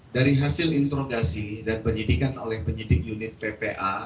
dari hasil introgasi dan penyidikan oleh penyidik unit ppa